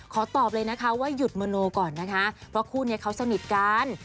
ขอตอบเลยนะคะว่าหยุดมโนก่อนนะคะเพราะคู่นี้เขาสนิทกัน